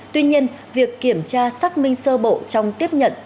tuy nhiên việc kiểm tra xác minh sơ bộ trong tiến hành